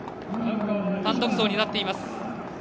単独走になっています。